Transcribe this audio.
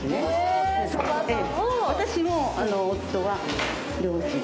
私も夫は漁師で。